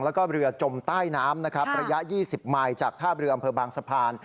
และเรือจมใต้น้ำระยะ๒๐มายจากท่าเรืออำเภอบางสะพาน